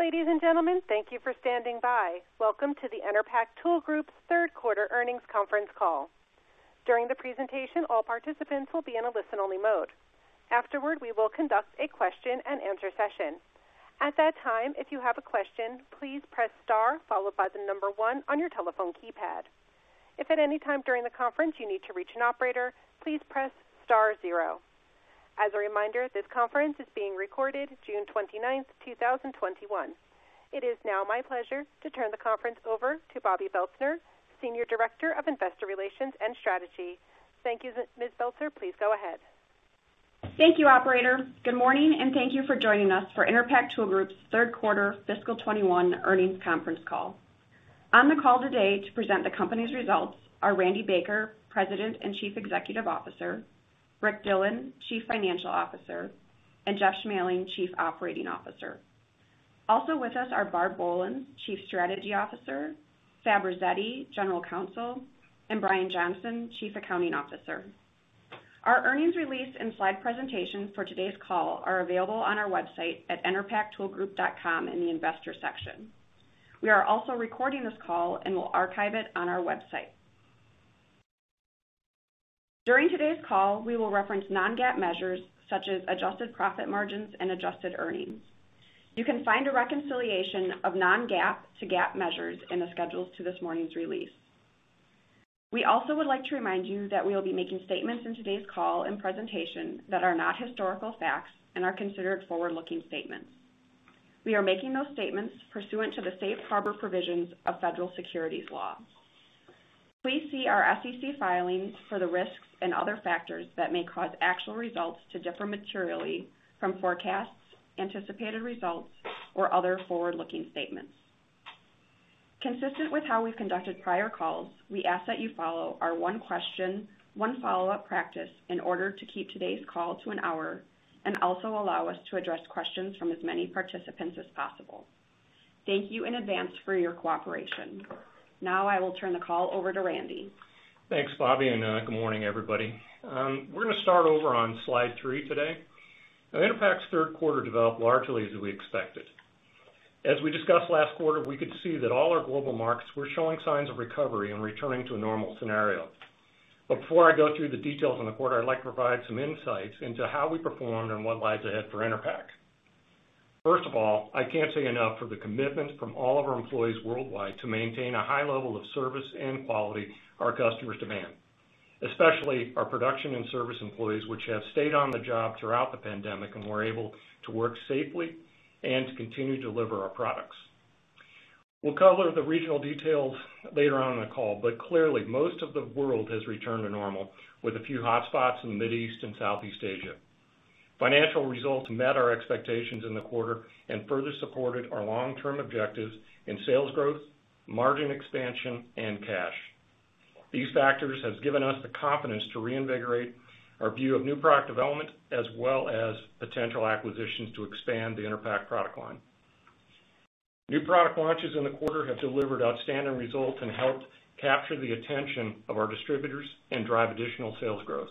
Ladies and gentlemen, thank you for standing by. Welcome to the Enerpac Tool Group third quarter earnings conference call. During the presentation, all participants will be in a listen-only mode. Afterward, we will conduct a question and answer session. At that time, if you have a question, please press star followed by the number one on your telephone keypad. If at any time during the conference you need to reach an operator, please press star zero. As a reminder, this conference is being recorded June 29th, 2021. It is now my pleasure to turn the conference over to Bobbi Belstner, Senior Director of Investor Relations and Strategy. Thank you, Ms. Belstner. Please go ahead. Thank you, operator. Good morning, and thank you for joining us for Enerpac Tool Group's third quarter fiscal 2021 earnings conference call. On the call today to present the company's results are Randy Baker, President and Chief Executive Officer, Rick Dillon, Chief Financial Officer, and Jeff Schmaling, Chief Operating Officer. Also with us are Barb Bolens, Chief Strategy Officer, Fab Rasetti, General Counsel, and Bryan Johnson, Chief Accounting Officer. Our earnings release and slide presentation for today's call are available on our website at enerpactoolgroup.com in the investor section. We are also recording this call and will archive it on our website. During today's call, we will reference non-GAAP measures such as adjusted profit margins and adjusted earnings. You can find a reconciliation of non-GAAP to GAAP measures in the schedules to this morning's release. We also would like to remind you that we'll be making statements in today's call and presentations that are not historical facts and are considered forward-looking statements. We are making those statements pursuant to the safe harbor provisions of federal securities law. Please see our SEC filings for the risks and other factors that may cause actual results to differ materially from forecasts, anticipated results, or other forward-looking statements. Consistent with how we conducted prior calls, we ask that you follow our one question, one follow-up practice in order to keep today's call to one hour. Also allow us to address questions from as many participants as possible. Thank you in advance for your cooperation. Now I will turn the call over to Randy. Thanks, Bobbi. Good morning, everybody. We're going to start over on slide three today. Enerpac's third quarter developed largely as we expected. As we discussed last quarter, we could see that all our global markets were showing signs of recovery and returning to a normal scenario. Before I go through the details on the quarter, I'd like to provide some insights into how we performed and what lies ahead for Enerpac. First of all, I can't say enough for the commitment from all of our employees worldwide to maintain a high level of service and quality our customers demand, especially our production and service employees, which have stayed on the job throughout the pandemic and were able to work safely and to continue to deliver our products. We'll cover the regional details later on in the call, but clearly, most of the world has returned to normal with a few hotspots in the Middle East and Southeast Asia. Financial results met our expectations in the quarter and further supported our long-term objectives in sales growth, margin expansion, and cash. These factors have given us the confidence to reinvigorate our view of new product development as well as potential acquisitions to expand the Enerpac product line. New product launches in the quarter have delivered outstanding results and helped capture the attention of our distributors and drive additional sales growth.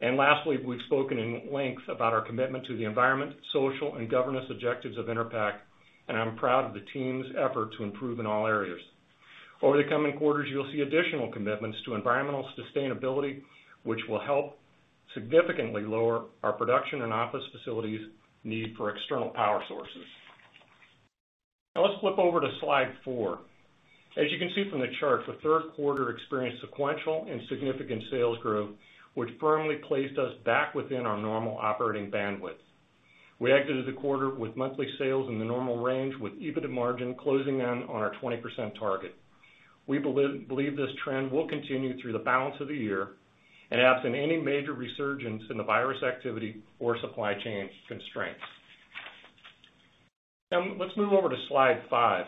Lastly, we've spoken at length about our commitment to the environment, social, and governance objectives of Enerpac, and I'm proud of the team's effort to improve in all areas. Over the coming quarters, you'll see additional commitments to environmental sustainability, which will help significantly lower our production and office facilities' need for external power sources. Now let's flip over to slide four. As you can see from the chart, the third quarter experienced sequential and significant sales growth, which firmly placed us back within our normal operating bandwidth. We exited the quarter with monthly sales in the normal range with EBIT margin closing in on our 20% target. We believe this trend will continue through the balance of the year and absent any major resurgence in the virus activity or supply chain constraints. Let's move over to slide five.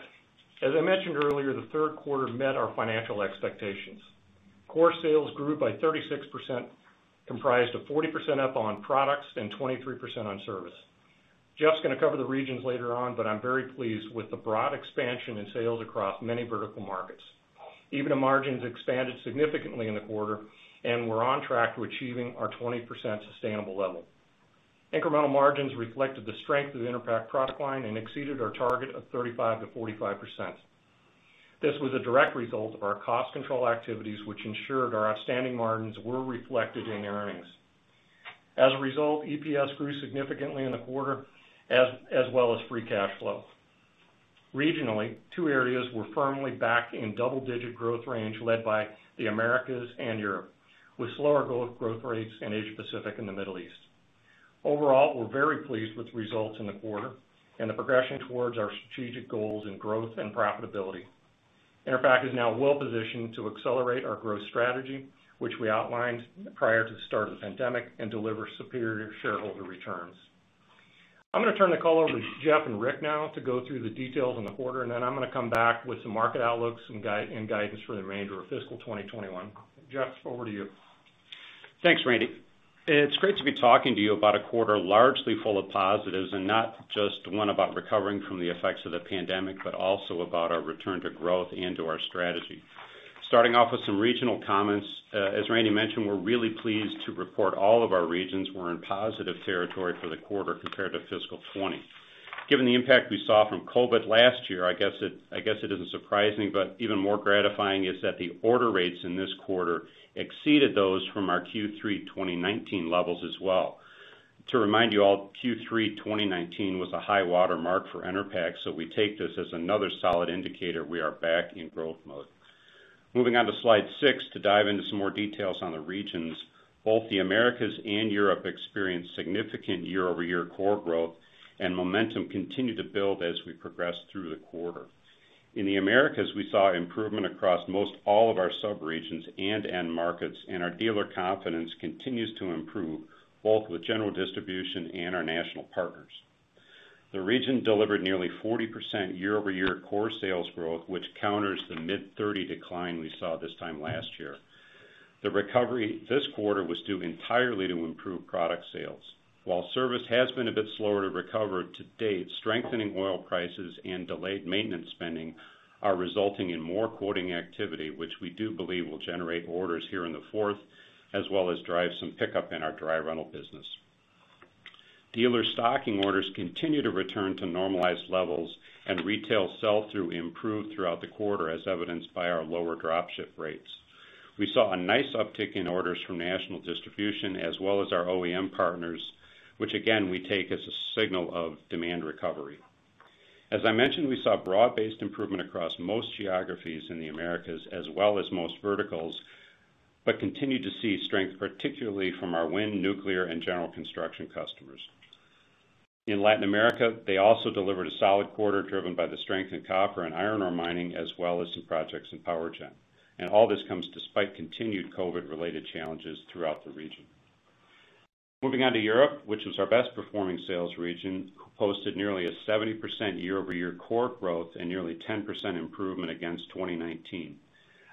As I mentioned earlier, the third quarter met our financial expectations. Core sales grew by 36%, comprised of 40% up on products and 23% on service. Jeff's going to cover the regions later on, but I'm very pleased with the broad expansion in sales across many vertical markets. EBIT margins expanded significantly in the quarter, and we're on track to achieving our 20% sustainable level. Incremental margins reflected the strength of the Enerpac product line and exceeded our target of 35%-45%. This was a direct result of our cost control activities, which ensured our outstanding margins were reflected in earnings. As a result, EPS grew significantly in the quarter, as well as free cash flow. Regionally, two areas were firmly back in double-digit growth range led by the Americas and Europe, with slower growth rates in Asia Pacific and the Middle East. Overall, we're very pleased with the results in the quarter and the progression towards our strategic goals in growth and profitability. Enerpac is now well-positioned to accelerate our growth strategy, which we outlined prior to the start of the pandemic, and deliver superior shareholder returns. I'm going to turn the call over to Jeff and Rick now to go through the details in the quarter, and then I'm going to come back with some market outlooks and guidance for the remainder of fiscal 2021. Jeff, over to you. Thanks, Randy. It's great to be talking to you about a quarter largely full of positives and not just one about recovering from the effects of the pandemic, but also about our return to growth and to our strategy. Starting off with some regional comments. As Randy mentioned, we're really pleased to report all of our regions were in positive territory for the quarter compared to fiscal 2020. Given the impact we saw from COVID last year, I guess it isn't surprising, but even more gratifying is that the order rates in this quarter exceeded those from our Q3 2019 levels as well. To remind you all, Q3 2019 was a high water mark for Enerpac, so we take this as another solid indicator we are back in growth mode. Moving on to slide six to dive into some more details on the regions. Both the Americas and Europe experienced significant year-over-year core growth. Momentum continued to build as we progressed through the quarter. In the Americas, we saw improvement across most all of our sub-regions and end markets. Our dealer confidence continues to improve, both with general distribution and our national partners. The region delivered nearly 40% year-over-year core sales growth, which counters the mid-30% decline we saw this time last year. The recovery this quarter was due entirely to improved product sales. While service has been a bit slower to recover to date, strengthening oil prices and delayed maintenance spending are resulting in more quoting activity, which we do believe will generate orders here in the fourth, as well as drive some pickup in our dry rental business. Dealer stocking orders continue to return to normalized levels, and retail sell-through improved throughout the quarter, as evidenced by our lower drop ship rates. We saw a nice uptick in orders from national distribution as well as our OEM partners, which again, we take as a signal of demand recovery. As I mentioned, we saw broad-based improvement across most geographies in the Americas, as well as most verticals, but continue to see strength, particularly from our wind, nuclear, and general construction customers. In Latin America, they also delivered a solid quarter, driven by the strength in copper and iron ore mining, as well as some projects in power gen. All this comes despite continued COVID-related challenges throughout the region. Moving on to Europe, which was our best performing sales region, posted nearly a 70% year-over-year core growth and nearly 10% improvement against 2019.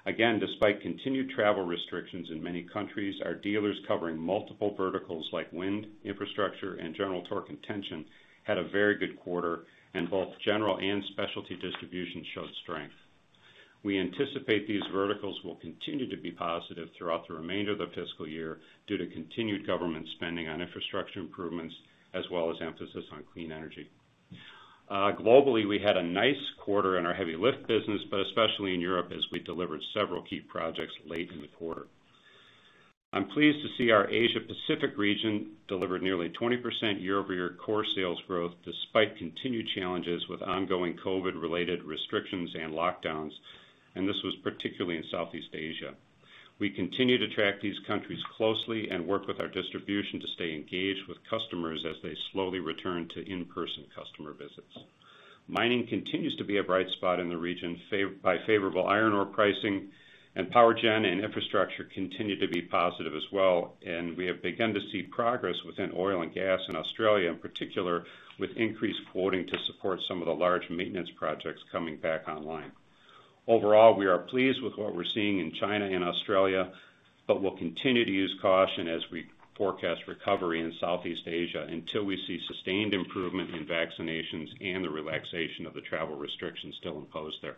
Again, despite continued travel restrictions in many countries, our dealers covering multiple verticals like wind, infrastructure, and general torque and tension, had a very good quarter, and both general and specialty distribution showed strength. We anticipate these verticals will continue to be positive throughout the remainder of the fiscal year due to continued government spending on infrastructure improvements, as well as emphasis on clean energy. Globally, we had a nice quarter in our heavy lift business, but especially in Europe as we delivered several key projects late in the quarter. I'm pleased to see our Asia Pacific region delivered nearly 20% year-over-year core sales growth despite continued challenges with ongoing COVID-related restrictions and lockdowns, and this was particularly in Southeast Asia. We continue to track these countries closely and work with our distribution to stay engaged with customers as they slowly return to in-person customer visits. Mining continues to be a bright spot in the region by favorable iron ore pricing. Power gen and infrastructure continue to be positive as well. We have begun to see progress within oil and gas in Australia in particular, with increased quoting to support some of the large maintenance projects coming back online. Overall, we are pleased with what we're seeing in China and Australia, but we'll continue to use caution as we forecast recovery in Southeast Asia until we see sustained improvement in vaccinations and the relaxation of the travel restrictions still imposed there.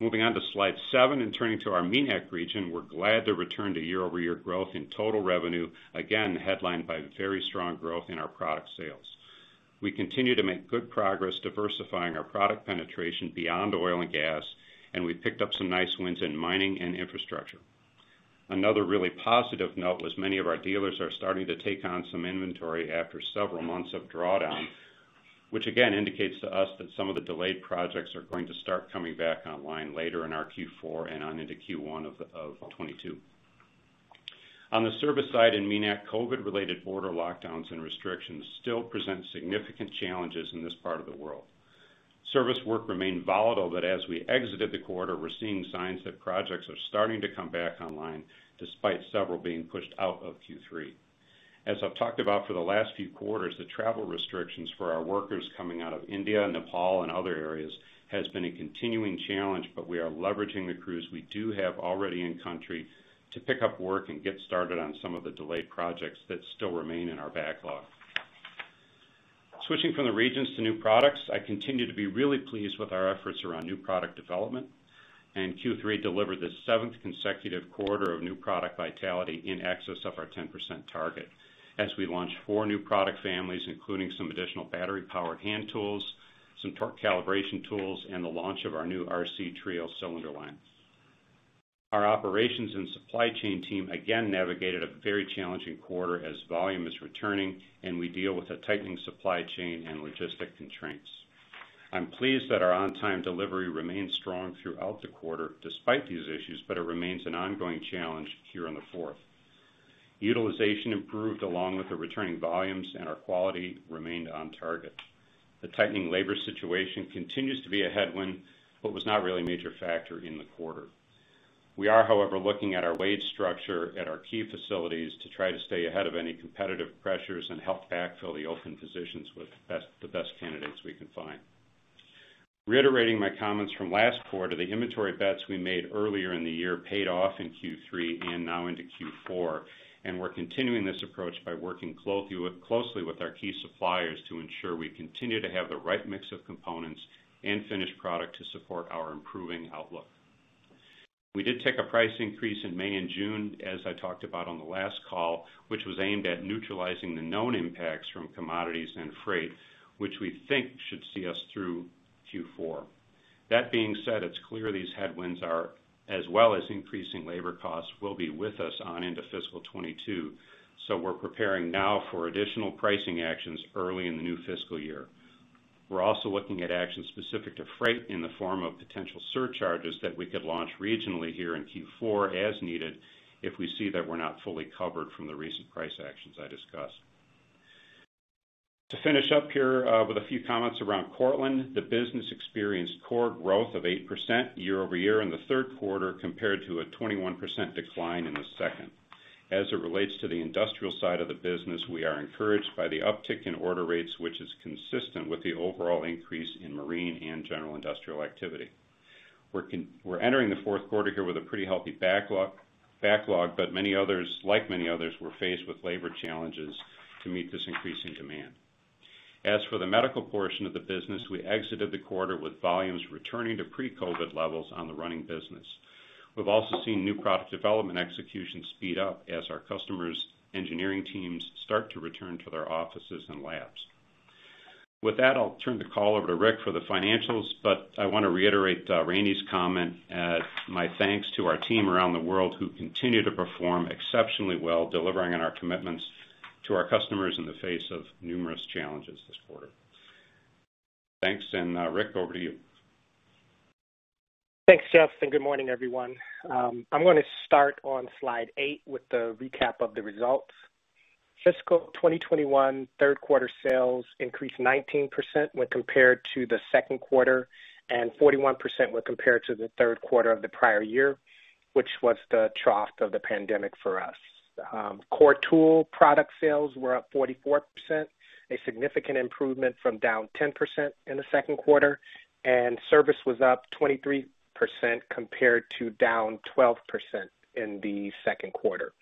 Moving on to slide seven and turning to our MENAT region. We're glad to return to year-over-year growth in total revenue, again headlined by very strong growth in our product sales. We continue to make good progress diversifying our product penetration beyond oil and gas, and we picked up some nice wins in mining and infrastructure. Another really positive note was many of our dealers are starting to take on some inventory after several months of drawdown, which again indicates to us that some of the delayed projects are going to start coming back online later in our Q4 and on into Q1 of 2022. On the service side in MENAT, COVID-related border lockdowns and restrictions still present significant challenges in this part of the world. Service work remained volatile, but as we exited the quarter, we're seeing signs that projects are starting to come back online, despite several being pushed out of Q3. As I've talked about for the last few quarters, the travel restrictions for our workers coming out of India, Nepal, and other areas has been a continuing challenge, we are leveraging the crews we do have already in country to pick up work and get started on some of the delayed projects that still remain in our backlog. Switching from the regions to new products. I continue to be really pleased with our efforts around new product development. Q3 delivered the seventh consecutive quarter of new product vitality in excess of our 10% target, as we launched four new product families, including some additional battery powered hand tools, some torque calibration tools, and the launch of our new RC-TRIO cylinder line. Our operations and supply chain team again navigated a very challenging quarter as volume is returning and we deal with a tightening supply chain and logistic constraints. I'm pleased that our on-time delivery remained strong throughout the quarter despite these issues, but it remains an ongoing challenge here in the fourth. Utilization improved along with the returning volumes, and our quality remained on target. The tightening labor situation continues to be a headwind, but was not really a major factor in the quarter. We are, however, looking at our wage structure at our key facilities to try to stay ahead of any competitive pressures and help backfill the open positions with the best candidates we can find. Reiterating my comments from last quarter, the inventory bets we made earlier in the year paid off in Q3 and now into Q4. We're continuing this approach by working closely with our key suppliers to ensure we continue to have the right mix of components and finished product to support our improving outlook. We did take a price increase in May and June, as I talked about on the last call, which was aimed at neutralizing the known impacts from commodities and freight, which we think should see us through Q4. That being said, it's clear these headwinds, as well as increasing labor costs, will be with us on into fiscal 2022. We're preparing now for additional pricing actions early in the new fiscal year. We're also looking at actions specific to freight in the form of potential surcharges that we could launch regionally here in Q4 as needed, if we see that we're not fully covered from the recent price actions I discussed. To finish up here, with a few comments around Cortland. The business experienced core growth of 8% year-over-year in the third quarter, compared to a 21% decline in the second. As it relates to the industrial side of the business, we are encouraged by the uptick in order rates, which is consistent with the overall increase in marine and general industrial activity. We're entering the fourth quarter here with a pretty healthy backlog, but like many others, we're faced with labor challenges to meet this increasing demand. As for the medical portion of the business, we exited the quarter with volumes returning to pre-COVID levels on the running business. We've also seen new product development execution speed up as our customers' engineering teams start to return to their offices and labs. With that, I'll turn the call over to Rick for the financials, but I want to reiterate Randy's comment as my thanks to our team around the world who continue to perform exceptionally well, delivering on our commitments to our customers in the face of numerous challenges this quarter. Thanks, and Rick, over to you. Thanks, Jeff, and good morning, everyone. I'm going to start on slide eight with the recap of the results. Fiscal 2021 third quarter sales increased 19% when compared to the second quarter, and 41% when compared to the third quarter of the prior year, which was the trough of the pandemic for us. Core tool product sales were up 44%, a significant improvement from down 10% in the second quarter, and service was up 23% compared to down 12% in the second quarter.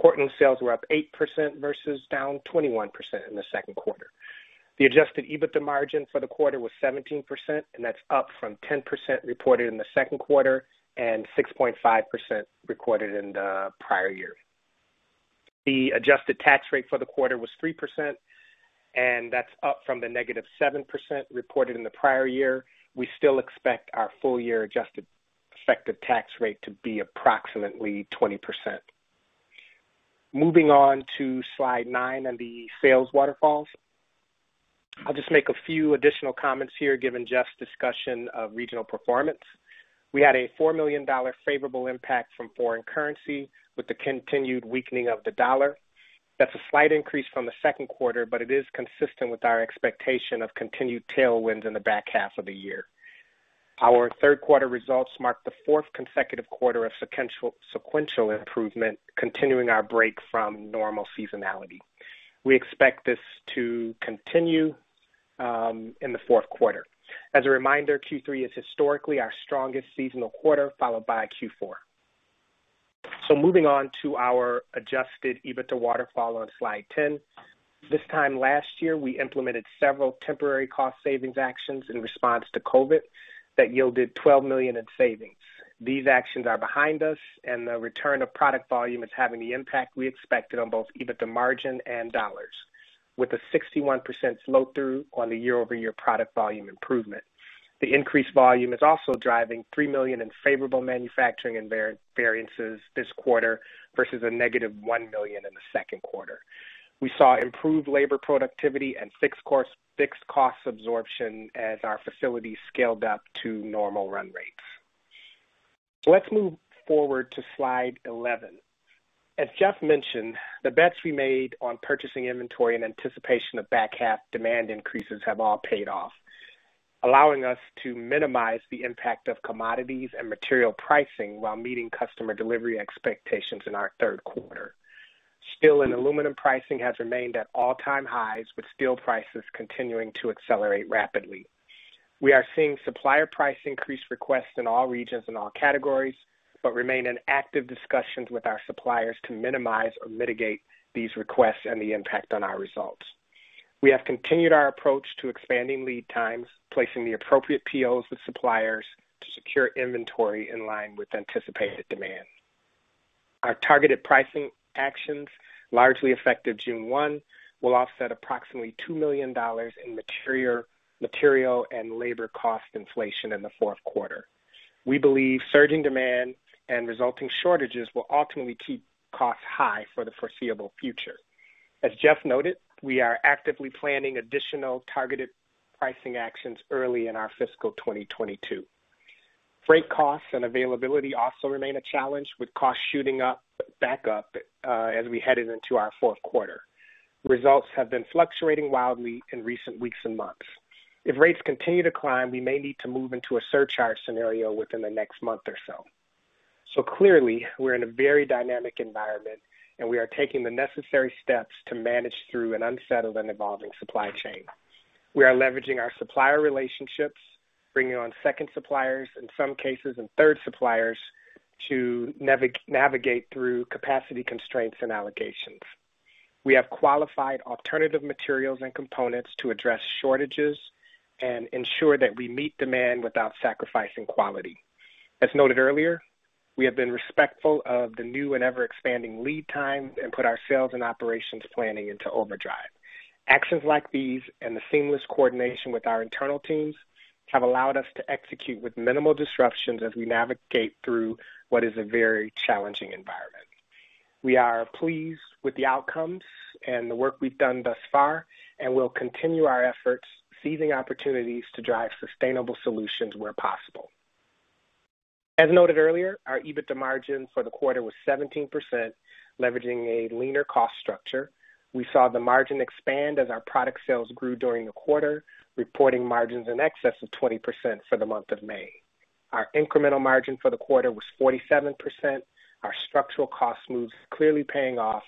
Cortland sales were up 8% versus down 21% in the second quarter. The adjusted EBITDA margin for the quarter was 17%, and that's up from 10% reported in the second quarter and 6.5% recorded in the prior year. The adjusted tax rate for the quarter was 3%, and that's up from the negative 7% reported in the prior year. We still expect our full-year adjusted effective tax rate to be approximately 20%. Moving on to slide nine and the sales waterfalls. I'll just make a few additional comments here, given Jeff's discussion of regional performance. We had a $4 million favorable impact from foreign currency with the continued weakening of the dollar. That's a slight increase from the second quarter, but it is consistent with our expectation of continued tailwinds in the back half of the year. Our third quarter results marked the fourth consecutive quarter of sequential improvement, continuing our break from normal seasonality. We expect this to continue in the fourth quarter. As a reminder, Q3 is historically our strongest seasonal quarter, followed by Q4. Moving on to our adjusted EBITDA waterfall on slide 10. This time last year, we implemented several temporary cost savings actions in response to COVID that yielded $12 million in savings. These actions are behind us, and the return of product volume is having the impact we expected on both EBITDA margin and dollars, with a 61% slope through on the year-over-year product volume improvement. The increased volume is also driving $3 million in favorable manufacturing and variances this quarter versus a negative $1 million in the second quarter. We saw improved labor productivity and fixed cost absorption as our facilities scaled up to normal run rates. Let's move forward to slide 11. As Jeff mentioned, the bets we made on purchasing inventory in anticipation of back half demand increases have all paid off, allowing us to minimize the impact of commodities and material pricing while meeting customer delivery expectations in our third quarter. Steel and aluminum pricing has remained at all-time highs, with steel prices continuing to accelerate rapidly. We are seeing supplier price increase requests in all regions and all categories, but remain in active discussions with our suppliers to minimize or mitigate these requests and the impact on our results. We have continued our approach to expanding lead times, placing the appropriate POs with suppliers to secure inventory in line with anticipated demand. Our targeted pricing actions, largely effective June 1, will offset approximately $2 million in material and labor cost inflation in the fourth quarter. We believe surging demand and resulting shortages will ultimately keep costs high for the foreseeable future. As Jeff noted, we are actively planning additional targeted pricing actions early in our fiscal 2022. Freight costs and availability also remain a challenge, with costs shooting back up as we headed into our fourth quarter. Results have been fluctuating wildly in recent weeks and months. If rates continue to climb, we may need to move into a surcharge scenario within the next month or so. Clearly, we're in a very dynamic environment, and we are taking the necessary steps to manage through an unsettled and evolving supply chain. We are leveraging our supplier relationships, bringing on second suppliers in some cases, and third suppliers to navigate through capacity constraints and allocations. We have qualified alternative materials and components to address shortages and ensure that we meet demand without sacrificing quality. As noted earlier, we have been respectful of the new and ever-expanding lead times and put our sales and operations planning into overdrive. Actions like these and the seamless coordination with our internal teams have allowed us to execute with minimal disruptions as we navigate through what is a very challenging environment. We are pleased with the outcomes and the work we've done thus far, and we'll continue our efforts, seizing opportunities to drive sustainable solutions where possible. As noted earlier, our EBITDA margin for the quarter was 17%, leveraging a leaner cost structure. We saw the margin expand as our product sales grew during the quarter, reporting margins in excess of 20% for the month of May. Our incremental margin for the quarter was 47%, our structural cost moves clearly paying off,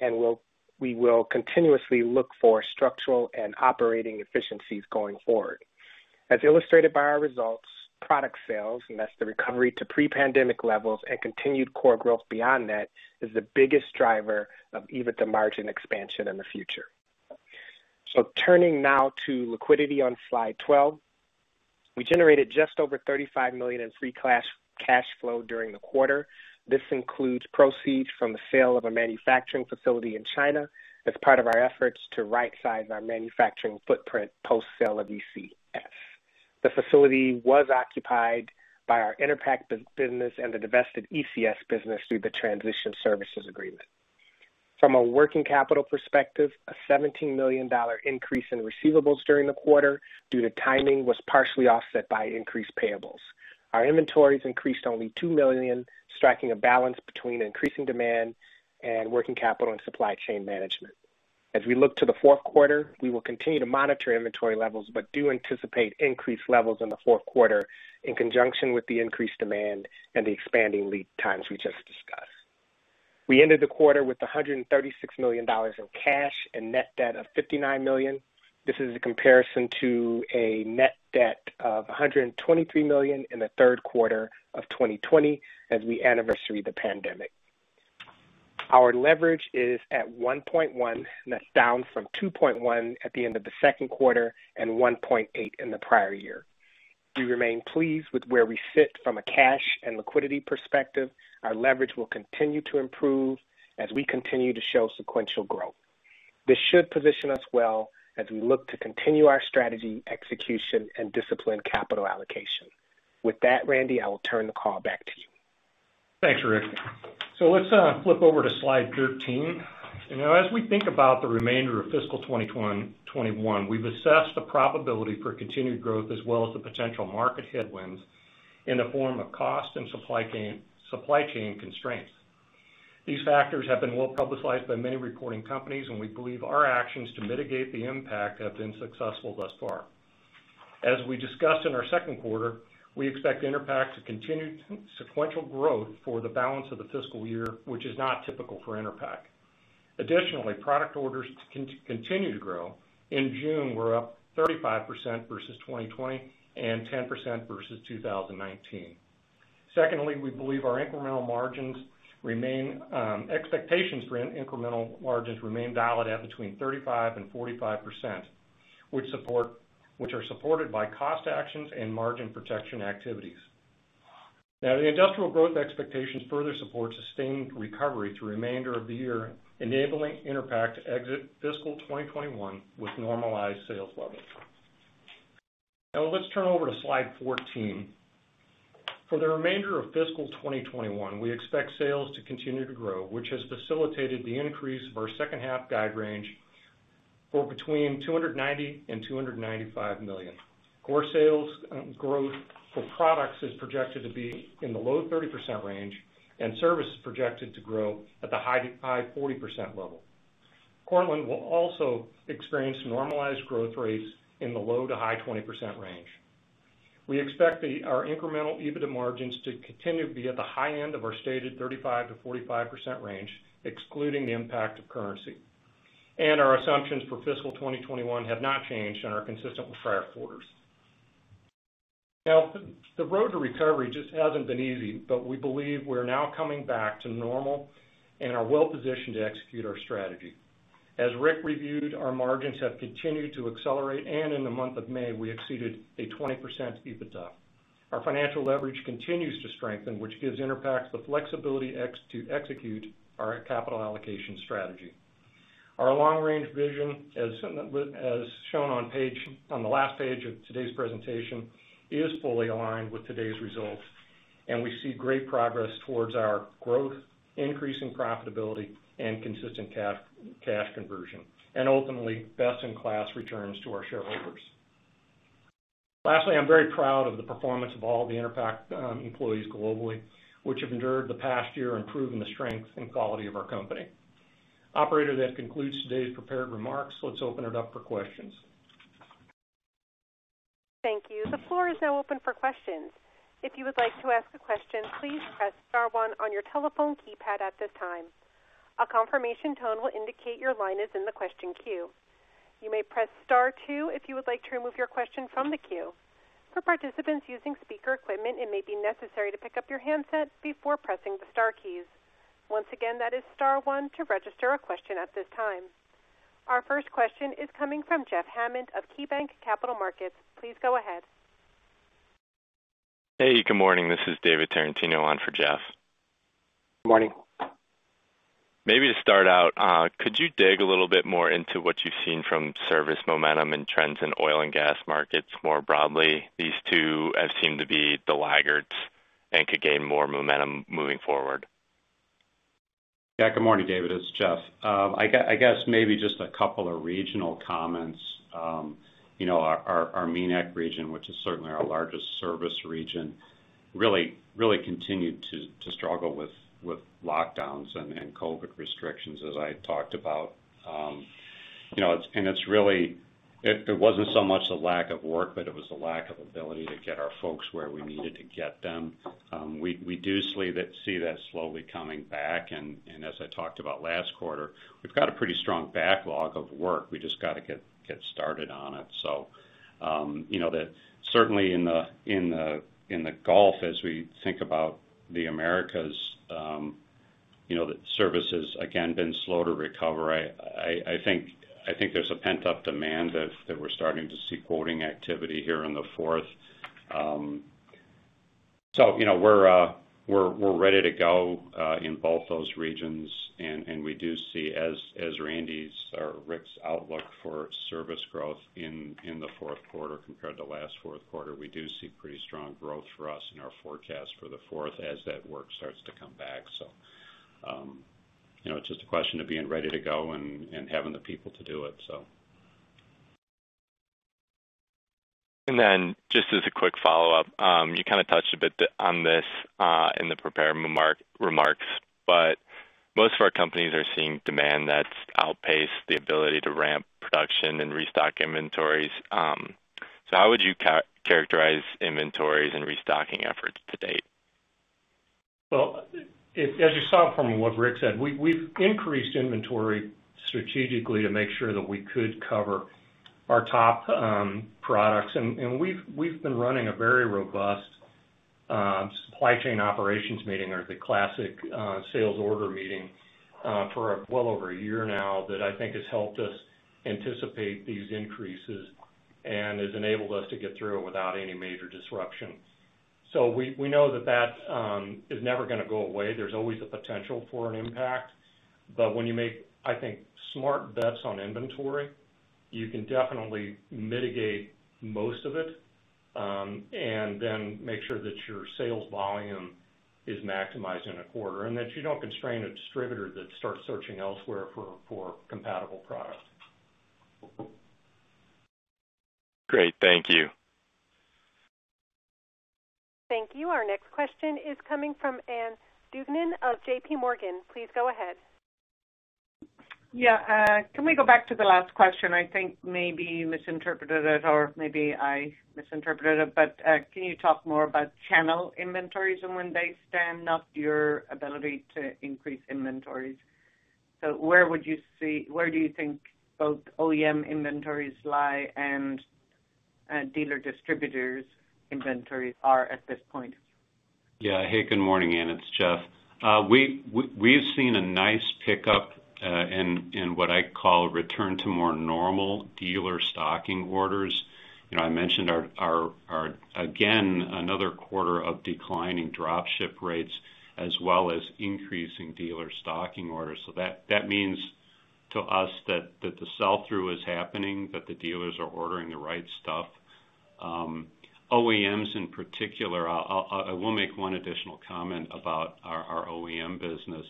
and we will continuously look for structural and operating efficiencies going forward. As illustrated by our results, product sales, and that's the recovery to pre-pandemic levels and continued core growth beyond that, is the biggest driver of EBITDA margin expansion in the future. Turning now to liquidity on slide 12. We generated just over $35 million in free cash flow during the quarter. This includes proceeds from the sale of a manufacturing facility in China as part of our efforts to right-size our manufacturing footprint post-sale of EC&S. The facility was occupied by our Enerpac business and the divested EC&S business through the transition services agreement. From a working capital perspective, a $17 million increase in receivables during the quarter due to timing was partially offset by increased payables. Our inventories increased only $2 million, striking a balance between increasing demand and working capital and supply chain management. As we look to the fourth quarter, we will continue to monitor inventory levels but do anticipate increased levels in the fourth quarter in conjunction with the increased demand and the expanding lead times we just discussed. We ended the quarter with $136 million of cash and net debt of $59 million. This is in comparison to a net debt of $123 million in the third quarter of 2020 as we anniversary the pandemic. Our leverage is at 1.1x, and that's down from 2.1x at the end of the second quarter and 1.8x in the prior year. We remain pleased with where we sit from a cash and liquidity perspective. Our leverage will continue to improve as we continue to show sequential growth. This should position us well as we look to continue our strategy, execution, and disciplined capital allocation. With that, Randy, I will turn the call back to you. Thanks, Rick. Let's flip over to slide 13. As we think about the remainder of fiscal 2021, we've assessed the probability for continued growth as well as the potential market headwinds in the form of cost and supply chain constraints. These factors have been well-publicized by many reporting companies, and we believe our actions to mitigate the impact have been successful thus far. As we discussed in our second quarter, we expect Enerpac to continue sequential growth for the balance of the fiscal year, which is not typical for Enerpac. Additionally, product orders continue to grow. In June, we're up 35% versus 2020 and 10% versus 2019. Secondly, we believe our expectations for incremental margins remain valid at between 35% and 45%, which are supported by cost actions and margin protection activities. The industrial growth expectations further support sustained recovery through the remainder of the year, enabling Enerpac to exit fiscal 2021 with normalized sales levels. Let's turn over to slide 14. For the remainder of fiscal 2021, we expect sales to continue to grow, which has facilitated the increase of our second half guide range for between $290 million and $295 million. Core sales growth for products is projected to be in the low 30% range, and service is projected to grow at the high 40% level. Cortland will also experience normalized growth rates in the low to high 20% range. We expect our incremental EBITDA margins to continue to be at the high end of our stated 35%-45% range, excluding the impact of currency. Our assumptions for fiscal 2021 have not changed and are consistent with prior quarters. Now, the road to recovery just hasn't been easy, but we believe we're now coming back to normal and are well-positioned to execute our strategy. As Rick reviewed, our margins have continued to accelerate, and in the month of May, we exceeded a 20% EBITDA. Our financial leverage continues to strengthen, which gives Enerpac the flexibility to execute our capital allocation strategy. Our long-range vision, as shown on the last page of today's presentation, is fully aligned with today's results, and we see great progress towards our growth, increasing profitability, and consistent cash conversion, and ultimately, best-in-class returns to our shareholders. Lastly, I'm very proud of the performance of all the Enerpac employees globally, which have endured the past year, improving the strength and quality of our company. Operator, that concludes today's prepared remarks. Let's open it up for questions. Thank you. The floor is now open for questions. If you would like to ask a question, please press star one on your telephone keypad at this time. A confirmation tone will indicate your line is in the question queue. Our first question is coming from Jeff Hammond of KeyBanc Capital Markets. Please go ahead. Hey, good morning. This is David Tarantino on for Jeff. Good morning. Maybe to start out, could you dig a little bit more into what you've seen from service momentum and trends in oil and gas markets more broadly? These two have seemed to be the laggards and could gain more momentum moving forward. Good morning, David. It's Jeff. I guess maybe just a couple of regional comments. Our MENAT region, which is certainly our largest service region, really continued to struggle with lockdowns and COVID restrictions, as I talked about. It wasn't so much the lack of work, but it was the lack of ability to get our folks where we needed to get them. We do see that slowly coming back, and as I talked about last quarter, we've got a pretty strong backlog of work. We've just got to get started on it. Certainly in the Gulf, as we think about the Americas, the service has again been slow to recover. I think there's a pent-up demand that we're starting to see quoting activity here in the fourth. We're ready to go in both those regions, and we do see, as Rick's outlook for service growth in the fourth quarter compared to last fourth quarter, we do see pretty strong growth for us in our forecast for the fourth as that work starts to come back. It's just a question of being ready to go and having the people to do it. Just as a quick follow-up, you kind of touched a bit on this in the prepared remarks, but most of our companies are seeing demand that's outpaced the ability to ramp production and restock inventories. How would you characterize inventories and restocking efforts to date? As you saw from what Rick said, we've increased inventory strategically to make sure that we could cover our top products. We've been running a very robust supply chain operations meeting, or the classic sales order meeting, for well over a year now that I think has helped us anticipate these increases and has enabled us to get through it without any major disruptions. We know that is never going to go away. There's always a potential for an impact. When you make, I think, smart bets on inventory, you can definitely mitigate most of it, and then make sure that your sales volume is maximized in a quarter, and that you don't constrain a distributor that starts searching elsewhere for compatible products. Great. Thank you. Thank you. Our next question is coming from Ann Duignan of JPMorgan. Please go ahead. Yeah. Can we go back to the last question? I think maybe you misinterpreted it, or maybe I misinterpreted it. Can you talk more about channel inventories and when they stand up your ability to increase inventories? Where do you think both OEM inventories lie and dealer distributors' inventories are at this point? Yeah. Hey, good morning, Ann Duignan. It's Jeff. We've seen a nice pickup in what I call a return to more normal dealer stocking orders. I mentioned our, again, another quarter of declining drop ship rates, as well as increasing dealer stocking orders. That means to us that the sell-through is happening, that the dealers are ordering the right stuff. OEMs in particular, I will make one additional comment about our OEM business.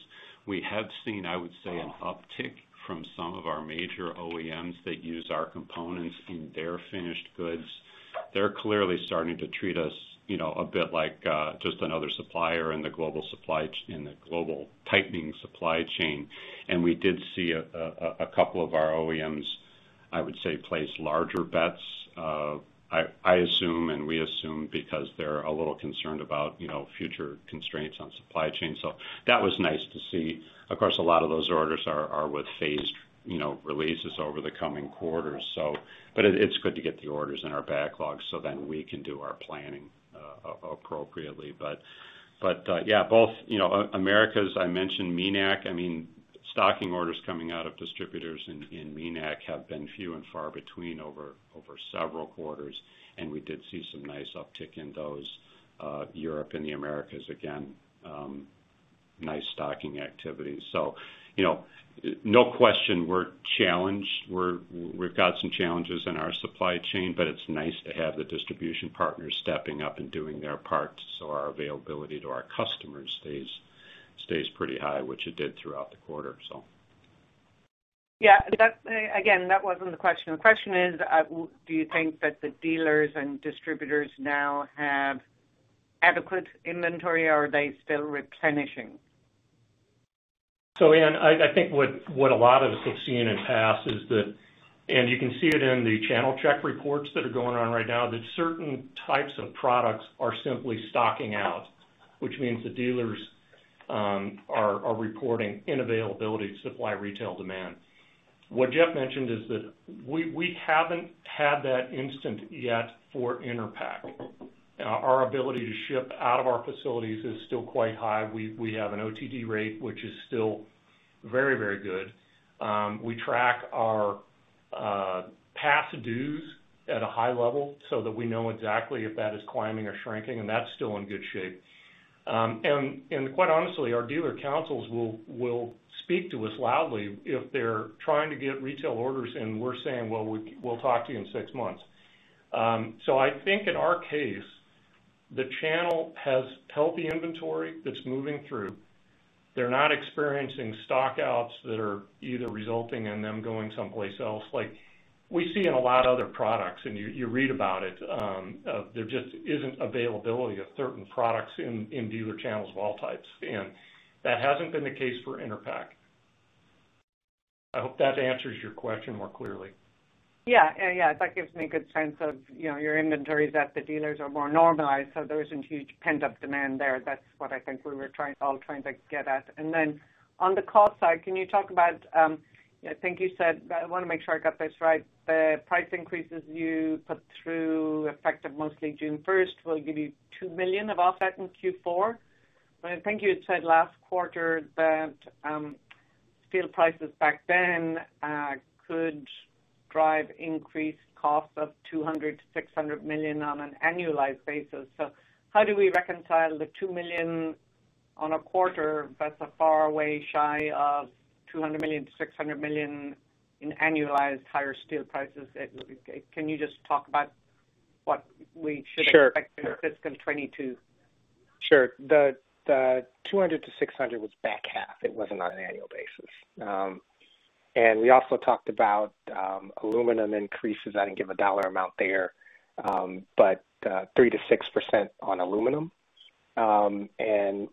We have seen, I would say, an uptick from some of our major OEMs that use our components in their finished goods. They're clearly starting to treat us a bit like just another supplier in the global tightening supply chain, and we did see a couple of our OEMs, I would say, place larger bets. I assume, and we assume because they're a little concerned about future constraints on supply chain. That was nice to see. Of course, a lot of those orders are with phased releases over the coming quarters. It's good to get the orders in our backlog we can do our planning appropriately. Yeah, both Americas, I mentioned MENAT. Stocking orders coming out of distributors in MENAT have been few and far between over several quarters, and we did see some nice uptick in those Europe and the Americas, again, nice stocking activity. No question, we're challenged. We've got some challenges in our supply chain, but it's nice to have the distribution partners stepping up and doing their part, so our availability to our customers stays pretty high, which it did throughout the quarter. Yeah. Again, that wasn't the question. The question is, do you think that the dealers and distributors now have adequate inventory, or are they still replenishing? Ann, I think what a lot of us have seen in the past is that, and you can see it in the channel check reports that are going on right now, that certain types of products are simply stocking out, which means the dealers are reporting unavailability to supply retail demand. What Jeff mentioned is that we haven't had that instant yet for Enerpac. Our ability to ship out of our facilities is still quite high. We have an OTD rate, which is still very good. We track our past dues at a high level so that we know exactly if that is climbing or shrinking, and that's still in good shape. Quite honestly, our dealer councils will speak to us loudly if they're trying to get retail orders, and we're saying, "Well, we'll talk to you in six months." I think in our case, the channel has healthy inventory that's moving through. They're not experiencing stock-outs that are either resulting in them going someplace else. Like we see in a lot of other products, and you read about it, there just isn't availability of certain products in dealer channels of all types. That hasn't been the case for Enerpac. I hope that answers your question more clearly. Yeah. That gives me a good sense of your inventory is at, the dealers are more normalized, so there isn't huge pent-up demand there. That's what I think we were all trying to get at. On the cost side, can you talk about, I think you said, I want to make sure I got this right, the price increases you put through effective mostly June 1st will give you $2 million of offset in Q4. I think you had said last quarter that steel prices back then could drive increased costs of $200 million-$600 million on an annualized basis. How do we reconcile the $2 million on a quarter that's a far way shy of $200 million-$600 million in annualized higher steel prices? Can you just talk about what we should- Sure expect in fiscal 2022? Sure. The $200-$600 was back half. It wasn't on an annual basis. We also talked about aluminum increases. I didn't give a dollar amount there. 3%-6% on aluminum.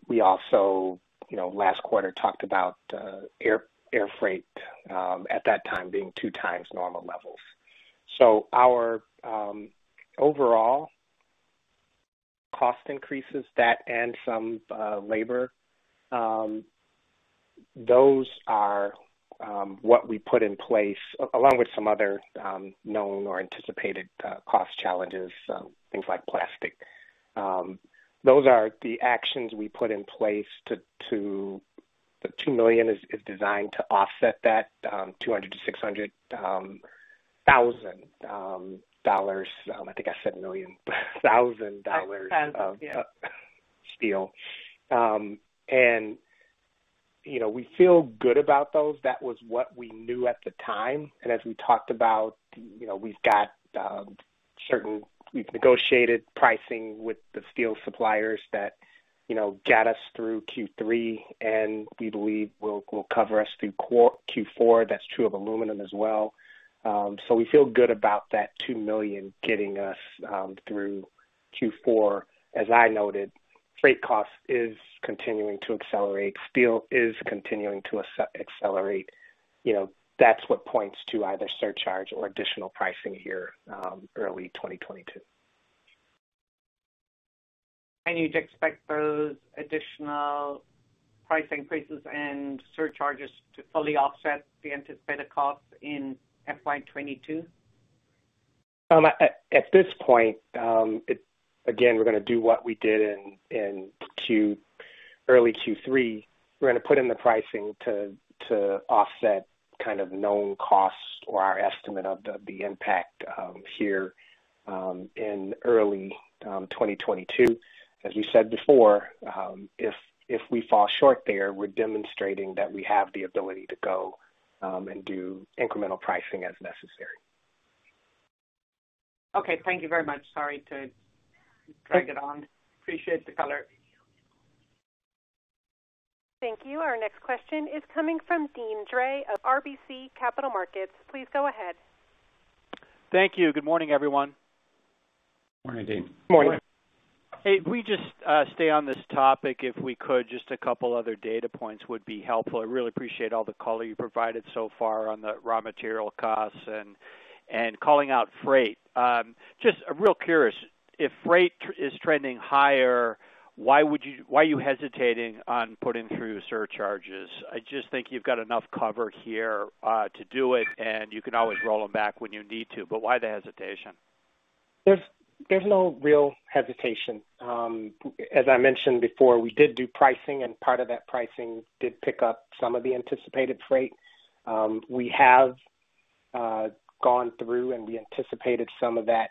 We also last quarter talked about air freight at that time being 2x normal levels. Our overall cost increases, that and some labor, those are what we put in place along with some other known or anticipated cost challenges, things like plastic. Those are the actions we put in place. The $2 million is designed to offset that $200,000-$600,000. I think I said million. Thousands, yeah. Thousands dollars of steel. We feel good about those. That was what we knew at the time. As we talked about, we've negotiated pricing with the steel suppliers that got us through Q3, and we believe will cover us through Q4. That's true of aluminum as well. We feel good about that $2 million getting us through Q4. As I noted, freight cost is continuing to accelerate. Steel is continuing to accelerate. That's what points to either surcharge or additional pricing here, early 2022. You'd expect those additional price increases and surcharges to fully offset the anticipated costs in FY 2022? At this point, again, we're going to do what we did in early Q3. We're going to put in the pricing to offset kind of known costs or our estimate of the impact here in early 2022. As we said before, if we fall short there, we're demonstrating that we have the ability to go and do incremental pricing as necessary. Okay. Thank you very much. Sorry to drag it on. Appreciate the color. Thank you. Our next question is coming from Deane Dray of RBC Capital Markets. Please go ahead. Thank you. Good morning, everyone. Morning, Deane. Morning. Hey, can we just stay on this topic, if we could? Just two other data points would be helpful. I really appreciate all the color you provided so far on the raw material costs and calling out freight. Just real curious, if freight is trending higher, why are you hesitating on putting through surcharges? I just think you've got enough cover here to do it, and you can always roll them back when you need to. Why the hesitation? There's no real hesitation. As I mentioned before, we did do pricing, and part of that pricing did pick up some of the anticipated freight. We have gone through, and we anticipated some of that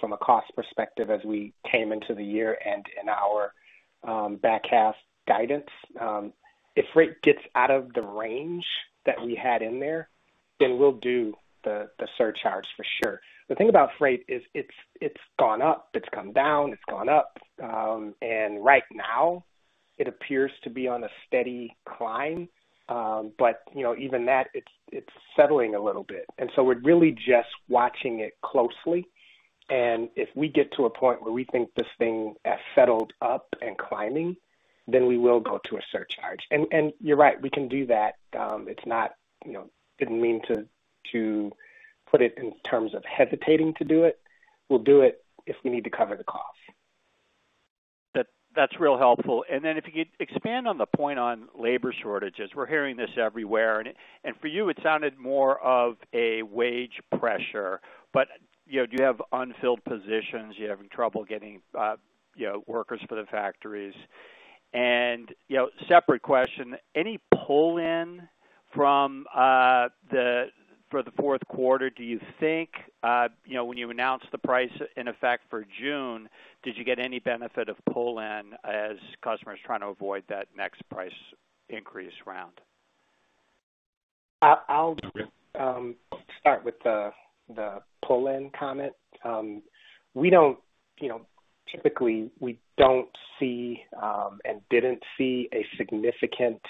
from a cost perspective as we came into the year and in our back half guidance. If freight gets out of the range that we had in there, then we'll do the surcharges for sure. The thing about freight is it's gone up, it's come down, it's gone up. Right now, it appears to be on a steady climb. Even that, it's settling a little bit. We're really just watching it closely. If we get to a point where we think this thing has settled up and climbing, then we will go to a surcharge. You're right, we can do that. Didn't mean to put it in terms of hesitating to do it. We'll do it if we need to cover the cost. That's real helpful. If you could expand on the point on labor shortages, we're hearing this everywhere, and for you it sounded more of a wage pressure. Do you have unfilled positions? Are you having trouble getting workers for the factories? Separate question, any pull-in for the fourth quarter, do you think? When you announced the price in effect for June, did you get any benefit of pull-in as customers trying to avoid that next price increase round? I'll start with the pull-in comment. Typically, we don't see, and didn't see a significant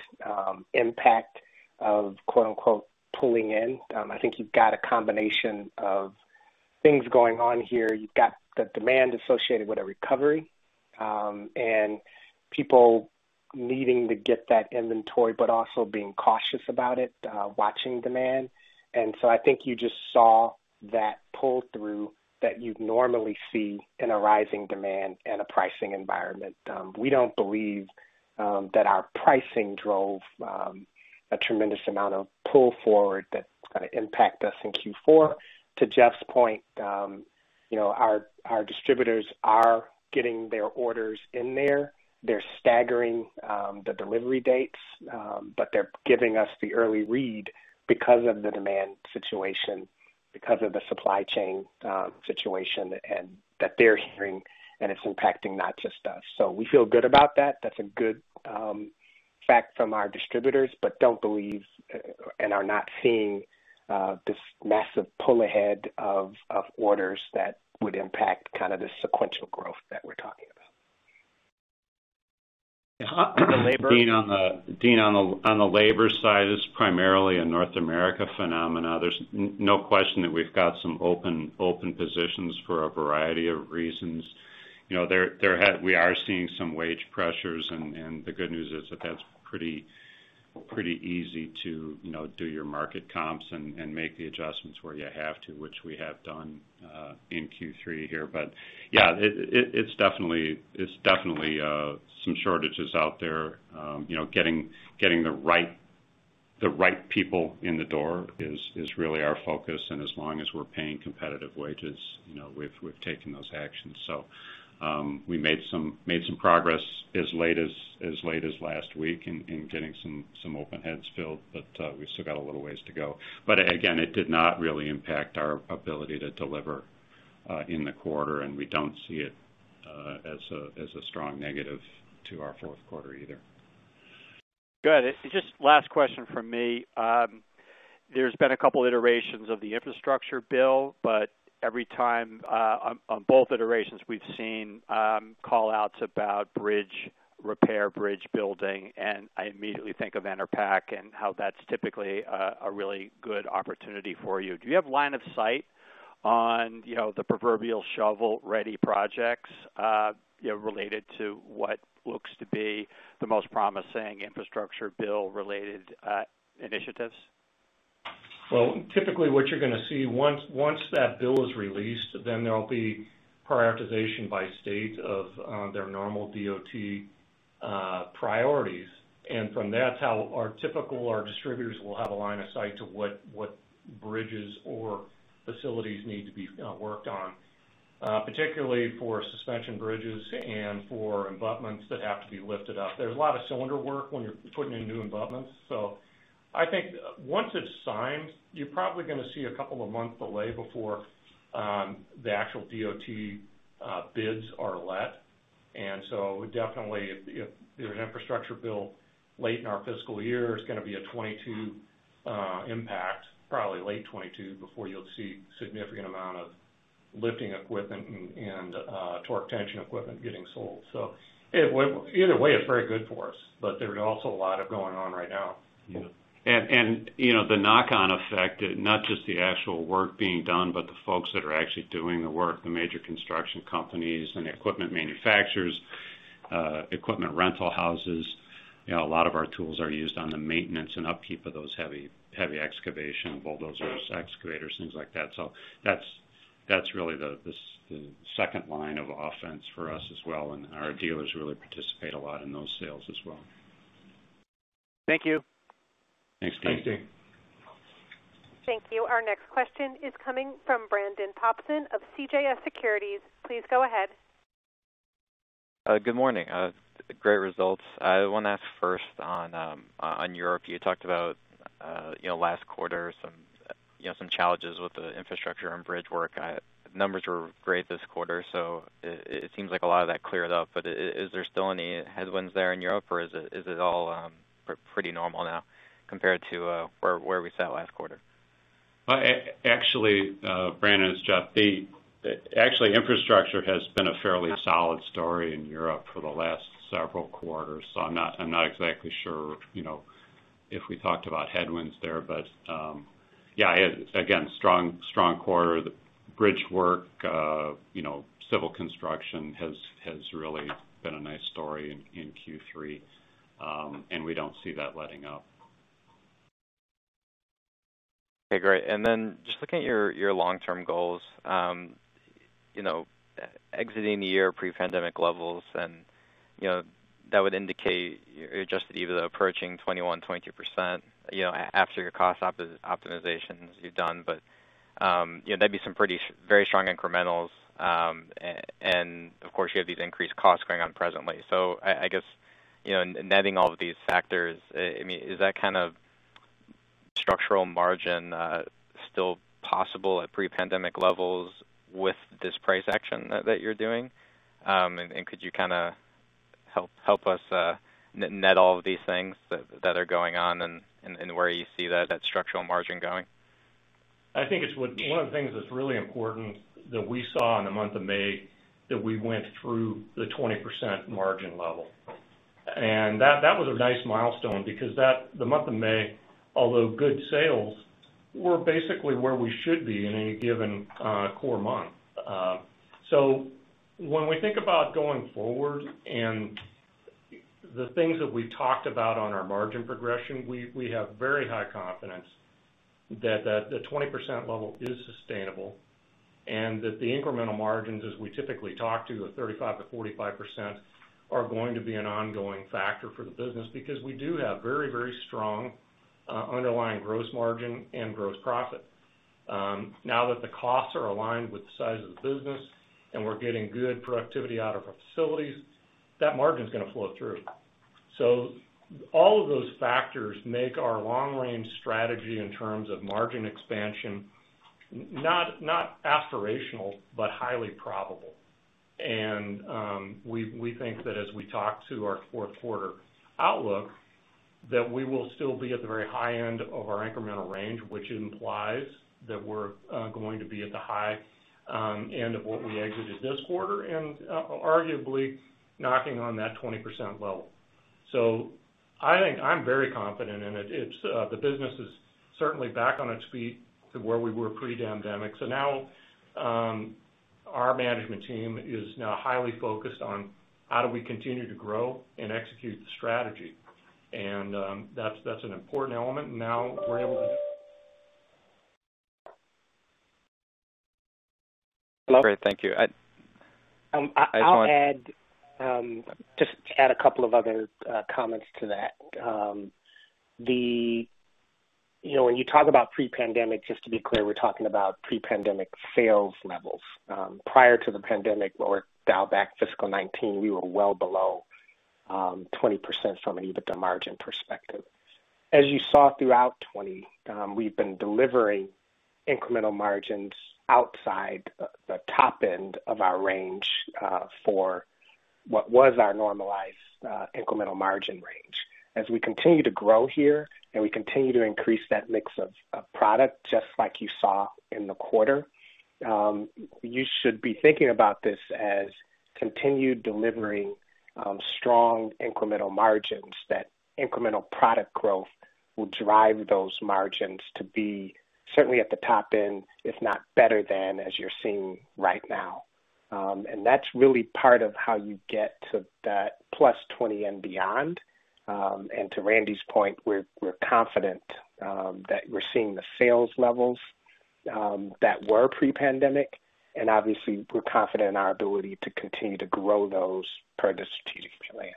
impact of "pulling in." I think you've got a combination of things going on here. You've got the demand associated with a recovery, and people needing to get that inventory, but also being cautious about it, watching demand. I think you just saw that pull-through that you'd normally see in a rising demand and a pricing environment. We don't believe that our pricing drove a tremendous amount of pull forward that's going to impact us in Q4. To Jeff's point, our distributors are getting their orders in there. They're staggering the delivery dates, but they're giving us the early read because of the demand situation, because of the supply chain situation, and that they're hearing, and it's impacting not just us. We feel good about that. That's a good fact from our distributors, but don't believe and are not seeing this massive pull ahead of orders that would impact the sequential growth that we're talking about. On the labor- Deane, on the labor side, it's primarily a North America phenomenon. There's no question that we've got some open positions for a variety of reasons. We are seeing some wage pressures, and the good news is that that's pretty easy to do your market comps and make the adjustments where you have to, which we have done in Q3 here. Yeah, it's definitely some shortages out there. Getting the right people in the door is really our focus, and as long as we're paying competitive wages, we've taken those actions. We made some progress as late as last week in getting some open heads filled, but we've still got a little ways to go. Again, it did not really impact our ability to deliver in the quarter, and we don't see it as a strong negative to our fourth quarter either. Good. Just last question from me. Every time on both iterations we've seen call-outs about bridge repair, bridge building, and I immediately think of Enerpac and how that's typically a really good opportunity for you. Do you have line of sight on the proverbial shovel-ready projects related to what looks to be the most promising infrastructure bill related initiatives? Typically what you're going to see, once that bill is released, then there'll be prioritization by state of their normal DOT priorities. From that's how our typical distributors will have a line of sight to what bridges or facilities need to be worked on. Particularly for suspension bridges and for abutments that have to be lifted up. There's a lot of cylinder work when you're putting in new abutments. I think once it's signed, you're probably going to see a couple of months delay before the actual DOT bids are let. Definitely if there's an infrastructure bill late in our fiscal year, it's going to be a 2022 impact, probably late 2022, before you'll see significant amount of lifting equipment and torque tension equipment getting sold. Either way, it's very good for us, but there's also a lot of going on right now. The knock-on effect, not just the actual work being done, but the folks that are actually doing the work, the major construction companies and equipment manufacturers, equipment rental houses. A lot of our tools are used on the maintenance and upkeep of those heavy excavation, bulldozers, excavators, things like that. That's really the second line of offense for us as well, and our dealers really participate a lot in those sales as well. Thank you. Thanks, Deane. Thanks, Deane. Thank you. Our next question is coming from Brandon Thompson of CJS Securities. Please go ahead. Good morning. Great results. I want to ask first on Europe. You talked about last quarter, some challenges with the infrastructure and bridge work. Numbers were great this quarter, so it seems like a lot of that cleared up. Is there still any headwinds there in Europe, or is it all pretty normal now compared to where we sat last quarter? Actually, Brandon, it's Jeff Schmaling. Actually, infrastructure has been a fairly solid story in Europe for the last several quarters, so I'm not exactly sure if we talked about headwinds there. Yeah, again, strong quarter. The bridge work, civil construction has really been a nice story in Q3, and we don't see that letting up. Okay, great. Just looking at your long-term goals, exiting the year pre-pandemic levels, that would indicate your adjusted EBITDA approaching 21%-22%, after your cost optimizations you've done. That'd be some very strong incrementals. Of course, you have these increased costs going on presently. I guess, in netting all of these factors, is that kind of structural margin still possible at pre-pandemic levels with this price action that you're doing? Could you kind of help us net all of these things that are going on and where you see that structural margin going? I think it's one of the things that's really important that we saw in the month of May, that we went through the 20% margin level. That was a nice milestone because that, the month of May, although good sales, were basically where we should be in any given core month. When we think about going forward and the things that we've talked about on our margin progression, we have very high confidence that the 20% level is sustainable and that the incremental margins, as we typically talk to, the 35%-45%, are going to be an ongoing factor for the business. We do have very strong underlying gross margin and gross profit. Now that the costs are aligned with the size of the business and we're getting good productivity out of our facilities, that margin's going to flow through. All of those factors make our long-range strategy in terms of margin expansion, not aspirational, but highly probable. We think that as we talk to our fourth quarter outlook, that we will still be at the very high end of our incremental range, which implies that we're going to be at the high end of what we exited this quarter and arguably knocking on that 20% level. I think I'm very confident in it. The business is certainly back on its feet to where we were pre-pandemic. Our management team is now highly focused on how do we continue to grow and execute the strategy. That's an important element. Great. Thank you. I'll add, just add a couple of other comments to that. When you talk about pre-pandemic, just to be clear, we're talking about pre-pandemic sales levels. Prior to the pandemic, or dial back fiscal 2019, we were well below 20% from an EBITDA margin perspective. As you saw throughout 2020, we've been delivering incremental margins outside the top end of our range, for what was our normalized incremental margin range. As we continue to grow here, and we continue to increase that mix of product, just like you saw in the quarter, you should be thinking about this as continued delivery, strong incremental margins. That incremental product growth will drive those margins to be certainly at the top end, if not better than as you're seeing right now. That's really part of how you get to that +20 and beyond. To Randy's point, we're confident that we're seeing the sales levels that were pre-pandemic, and obviously, we're confident in our ability to continue to grow those per the strategic plan.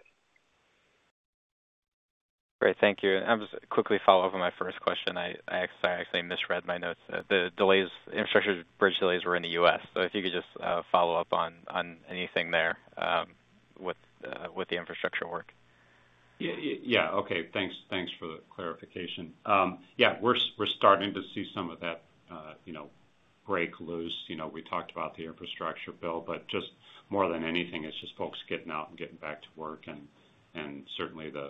Great. Thank you. I'll just quickly follow up on my first question. I actually misread my notes. The infrastructure bridge delays were in the U.S. If you could just follow up on anything there, with the infrastructure work. Yeah. Okay. Thanks for the clarification. Yeah, we're starting to see some of that break loose. We talked about the infrastructure bill, but just more than anything, it's just folks getting out and getting back to work and certainly the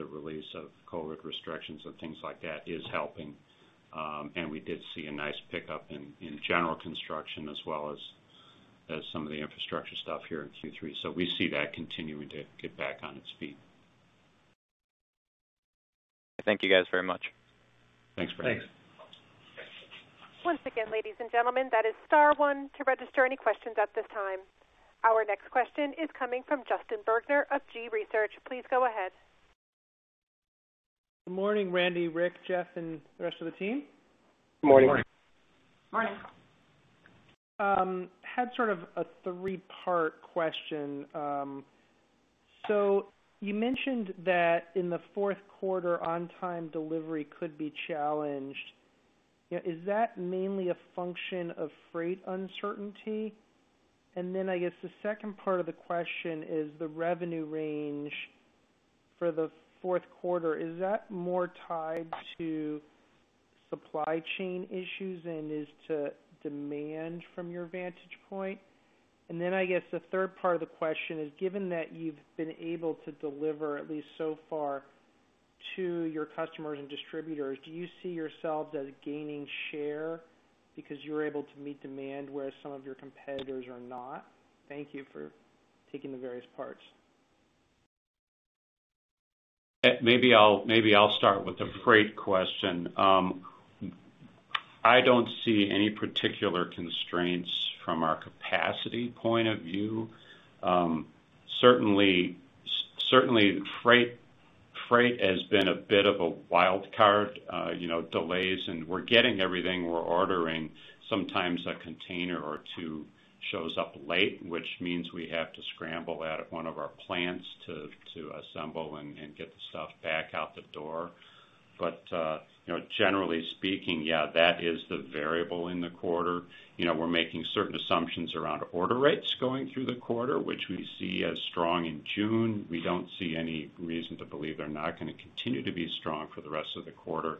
release of COVID restrictions and things like that is helping. We did see a nice pickup in general construction as well as some of the infrastructure stuff here in Q3. We see that continuing to get back on its feet. Thank you guys very much. Thanks. Thanks. Once again, ladies and gentlemen, that is star one to register any questions at this time. Our next question is coming from Justin Bergner of G.Research. Please go ahead. Good morning, Randy, Rick, Jeff, and the rest of the team. Good morning. Morning. Morning. Had sort of a three-part question. You mentioned that in the fourth quarter on-time delivery could be challenged. Is that mainly a function of freight uncertainty? I guess the second part of the question is the revenue range for the fourth quarter. Is that more tied to supply chain issues than it is to demand from your vantage point? I guess the third part of the question is, given that you've been able to deliver at least so far to your customers and distributors, do you see yourselves as gaining share because you're able to meet demand where some of your competitors are not? Thank you for taking the various parts. Maybe I'll start with the freight question. I don't see any particular constraints from our capacity point of view. Certainly, freight has been a bit of a wild card, delays, and we're getting everything we're ordering. Sometimes a container or two shows up late, which means we have to scramble out of one of our plants to assemble and get the stuff back out the door. Generally speaking, yeah, that is the variable in the quarter. We're making certain assumptions around order rates going through the quarter, which we see as strong in June. We don't see any reason to believe they're not going to continue to be strong for the rest of the quarter.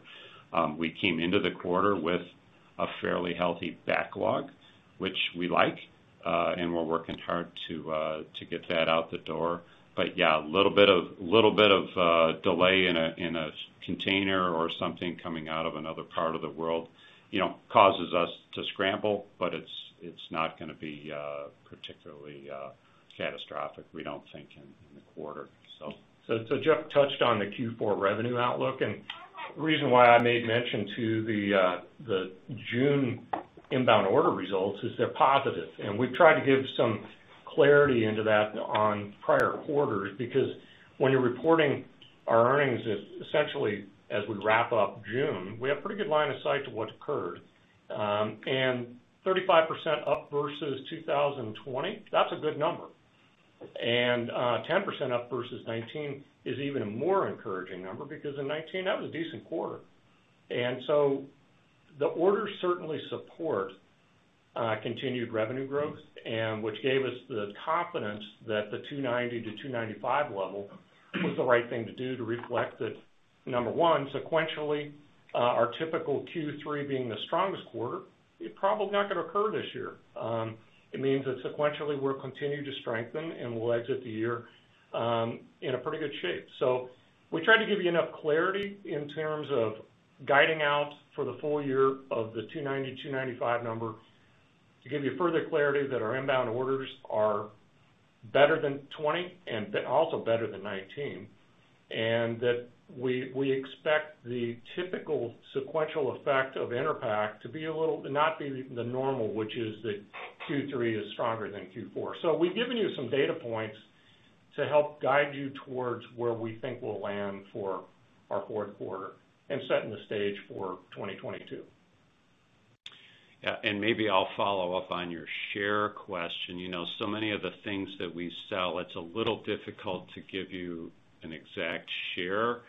We came into the quarter with a fairly healthy backlog, which we like, and we're working hard to get that out the door. Yeah, little bit of delay in a container or something coming out of another part of the world causes us to scramble. It's not going to be particularly catastrophic, we don't think, in the quarter. Jeff touched on the Q4 revenue outlook, and the reason why I made mention to the June inbound order results is they're positive. We've tried to give some clarity into that on prior quarters, because when you're reporting our earnings, essentially, as we wrap up June, we have pretty good line of sight to what's occurred. 35% up versus 2020, that's a good number. 10% up versus 2019 is even a more encouraging number, because in 2019, that was a decent quarter. The orders certainly support continued revenue growth, which gave us the confidence that the 290-295 level was the right thing to do to reflect that, number one, sequentially, our typical Q3 being the strongest quarter, it probably is not going to occur this year. It means that sequentially, we'll continue to strengthen, and we'll exit the year in a pretty good shape. We tried to give you enough clarity in terms of guiding out for the full year of the $290-$295 number to give you further clarity that our inbound orders are better than 2020 and also better than 2019, and that we expect the typical sequential effect of Enerpac to not be the normal, which is that Q3 is stronger than Q4. We've given you some data points to help guide you towards where we think we'll land for our fourth quarter and setting the stage for 2022. Yeah. Maybe I'll follow up on your share question. Many of the things that we sell, it's a little difficult to give you an exact share.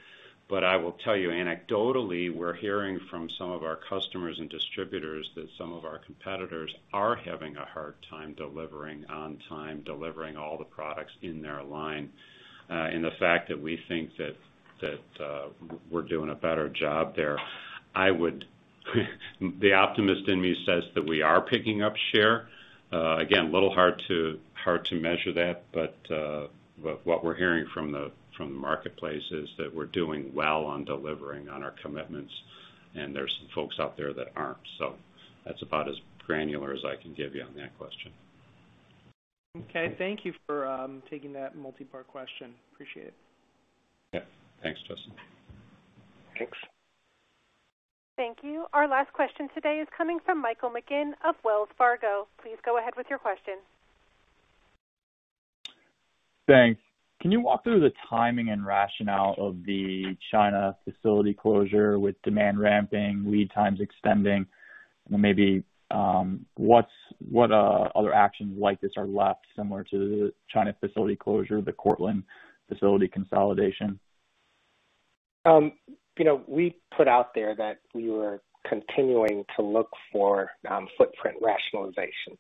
I will tell you anecdotally, we're hearing from some of our customers and distributors that some of our competitors are having a hard time delivering on time, delivering all the products in their line. The fact that we think that we're doing a better job there, the optimist in me says that we are picking up share. Again, a little hard to measure that, but what we're hearing from the marketplace is that we're doing well on delivering on our commitments, and there's some folks out there that aren't. That's about as granular as I can give you on that question. Okay. Thank you for taking that multi-part question. Appreciate it. Yeah. Thanks, Justin. Thanks. Thank you. Our last question today is coming from Michael McGinn of Wells Fargo. Please go ahead with your question. Thanks. Can you walk through the timing and rationale of the China facility closure with demand ramping, lead times extending, and maybe what other actions like this are left similar to the China facility closure, the Cortland facility consolidation? We put out there that we were continuing to look for footprint rationalization.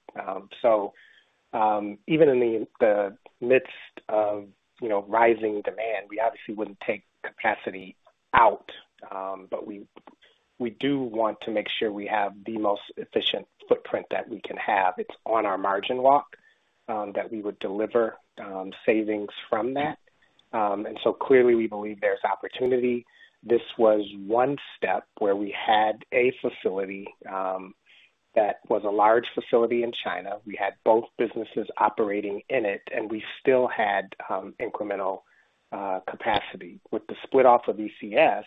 Even in the midst of rising demand, we obviously wouldn't take capacity out. We do want to make sure we have the most efficient footprint that we can have. It's on our margin walk that we would deliver savings from that. Clearly, we believe there's opportunity. This was one step where we had a facility that was a large facility in China. We had both businesses operating in it, and we still had incremental capacity. With the split off of EC&S,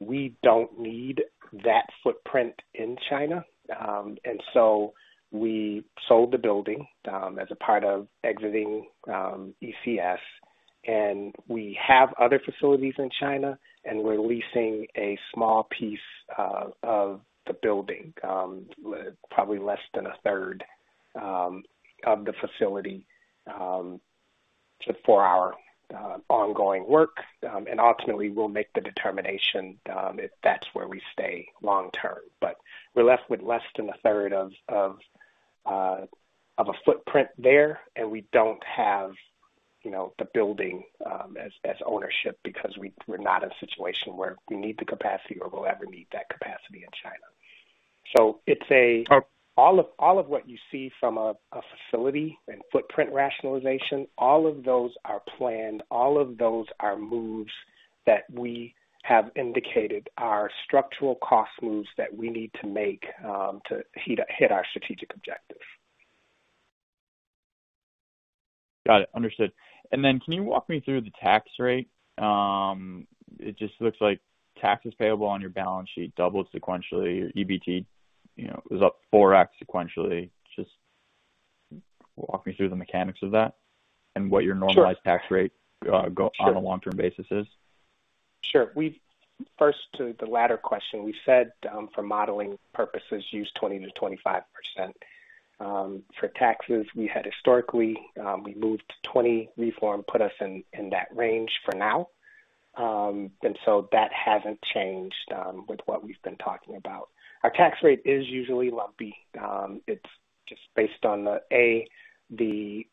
we don't need that footprint in China. We sold the building as a part of exiting EC&S, and we have other facilities in China, and we're leasing a small piece of the building, probably less than one third of the facility, for our ongoing work. Ultimately, we'll make the determination if that's where we stay long term. We're left with less than a third of a footprint there, and we don't have the building as ownership because we're not in a situation where we need the capacity or we'll ever need that capacity in China. All of what you see from a facility and footprint rationalization, all of those are planned. All of those are moves that we have indicated are structural cost moves that we need to make to hit our strategic objectives. Got it. Understood. Can you walk me through the tax rate? It just looks like taxes payable on your balance sheet doubled sequentially. Your EBT was up 4x sequentially. Just walk me through the mechanics of that and what your normalized- Sure tax rate, on a long-term basis is. Sure. First to the latter question, we said for modeling purposes use 20%-25%. For taxes, we had historically, we moved to 20, reform put us in that range for now. That hasn't changed with what we've been talking about. Our tax rate is usually lumpy. It's just based on, A, the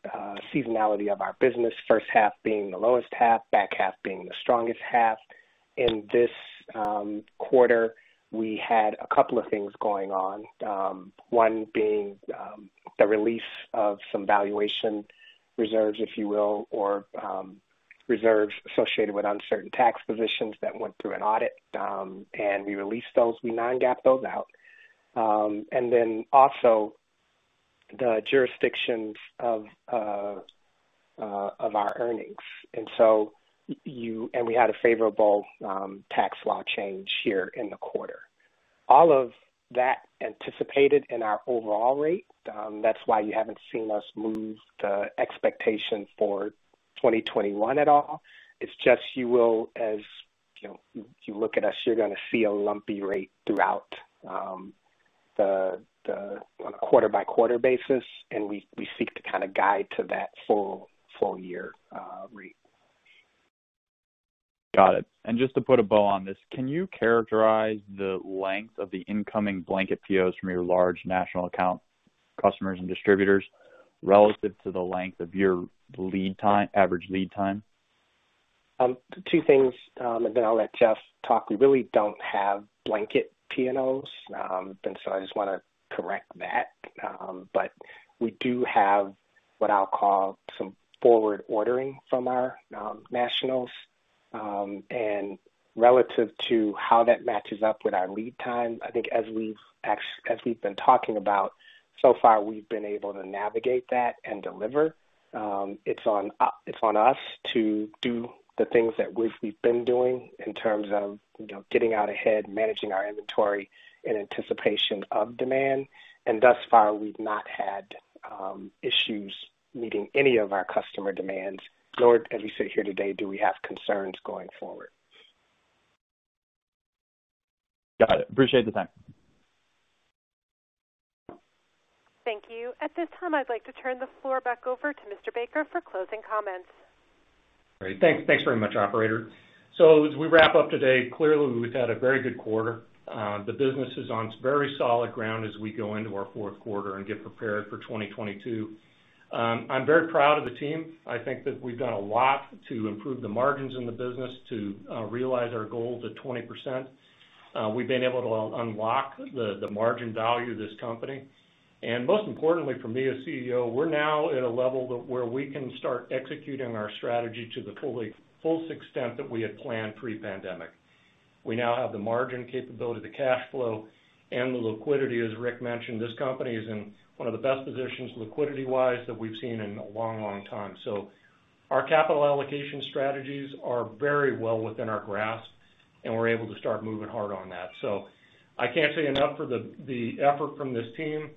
seasonality of our business, first half being the lowest half, back half being the strongest half. In this quarter, we had a couple of things going on. One being the release of some valuation reserves, if you will, or reserves associated with uncertain tax positions that went through an audit. We released those, we non-GAAP those out. Also the jurisdictions of our earnings. We had a favorable tax law change here in the quarter. All of that anticipated in our overall rate. That's why you haven't seen us move the expectation for 2021 at all. It's just you will, as you look at us, you're going to see a lumpy rate throughout on a quarter by quarter basis, and we seek to kind of guide to that full year rate. Got it. Just to put a bow on this, can you characterize the length of the incoming blanket POs from your large national account customers and distributors relative to the length of your average lead time? Two things, then I'll let Jeff talk. We really don't have blanket POs, so I just want to correct that. We do have what I'll call some forward ordering from our nationals. Relative to how that matches up with our lead time, I think as we've been talking about, so far, we've been able to navigate that and deliver. It's on us to do the things that we've been doing in terms of getting out ahead, managing our inventory in anticipation of demand. Thus far, we've not had issues meeting any of our customer demands, nor as we sit here today, do we have concerns going forward. Got it. Appreciate the time. Thank you. At this time, I'd like to turn the floor back over to Mr. Baker for closing comments. Great. Thanks very much, operator. As we wrap up today, clearly we've had a very good quarter. The business is on very solid ground as we go into our fourth quarter and get prepared for 2022. I'm very proud of the team. I think that we've done a lot to improve the margins in the business to realize our goal to 20%. We've been able to unlock the margin value of this company. Most importantly for me as CEO, we're now at a level where we can start executing our strategy to the fullest extent that we had planned pre-pandemic. We now have the margin capability, the cash flow, and the liquidity. As Rick mentioned, this company is in one of the best positions liquidity wise that we've seen in a long time. Our capital allocation strategies are very well within our grasp, and we're able to start moving hard on that. I can't say enough for the effort from this team.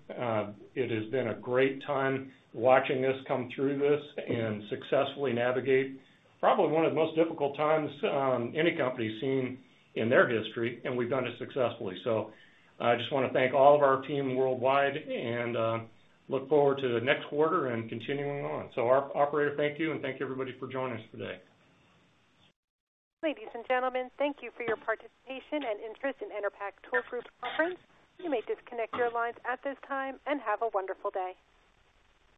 It has been a great time watching this come through this and successfully navigate probably one of the most difficult times any company's seen in their history, and we've done it successfully. I just want to thank all of our team worldwide and look forward to the next quarter and continuing on. Operator, thank you, and thank you everybody for joining us today. Ladies and gentlemen, thank you for your participation and interest in Enerpac Tool Group conference. You may disconnect your lines at this time, and have a wonderful day.